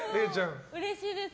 うれしいです。